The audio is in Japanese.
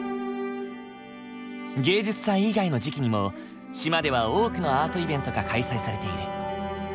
芸術祭以外の時期にも島では多くのアートイベントが開催されている。